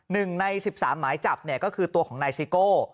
๑ใน๑๓มีไม้จับก็คือตัวของนายซิโก้